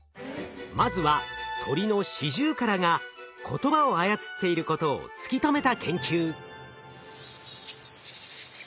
まずは鳥のシジュウカラが言葉を操っていることを突き止めた研究。